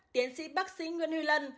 tiến sĩ bác sĩ nguyễn huy lân